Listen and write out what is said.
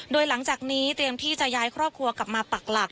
โดยหลังจากนี้เตรียมที่จะย้ายครอบครัวกลับมาปักหลัก